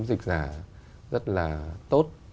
dịch giả rất là tốt